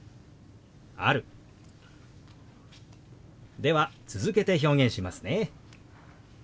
では続けて表現しますね。